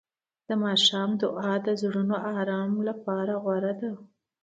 د ماښام دعا د زړونو آرام لپاره غوره ده.